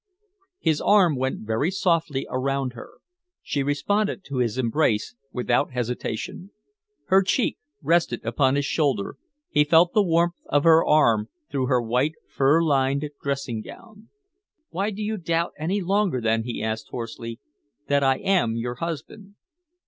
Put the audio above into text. His arm went very softly around her. She responded to his embrace without hesitation. Her cheek rested upon his shoulder, he felt the warmth of her arm through her white, fur lined dressing gown. "Why do you doubt any longer then," he asked hoarsely, "that I am your husband?"